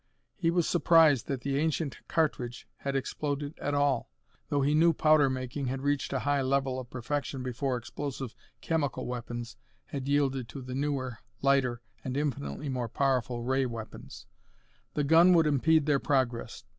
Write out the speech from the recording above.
He was surprised that the ancient cartridge had exploded at all, though he knew powder making had reached a high level of perfection before explosive chemical weapons had yielded to the newer, lighter, and infinitely more powerful ray weapons. The gun would impede their progress.